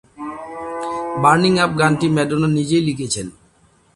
Burning up গানটি Madonna নিজেই লিখেছেন।